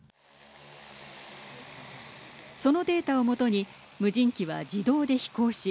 そのデータを基に無人機は自動で飛行し